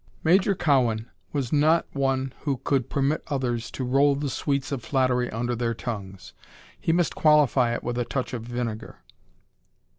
Major Cowan was not one who could permit others to roll the sweets of flattery under their tongues. He must qualify it with a touch of vinegar.